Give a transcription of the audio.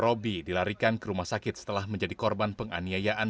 roby dilarikan ke rumah sakit setelah menjadi korban penganiayaan